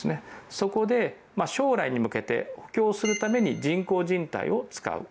そこで、将来に向けて補強するために人工じん帯を使う。